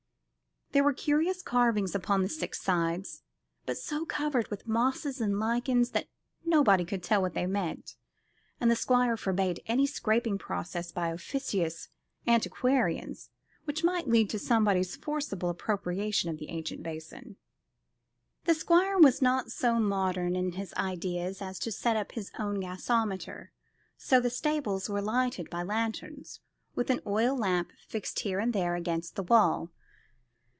There were curious carvings upon the six sides, but so covered with mosses and lichens that nobody could tell what they meant; and the Squire forbade any scraping process by officious antiquarians, which might lead to somebody's forcible appropriation of the ancient basin. The Squire was not so modern in his ideas as to set up his own gasometer, so the stables were lighted by lanterns, with an oil lamp fixed here and there against the wall.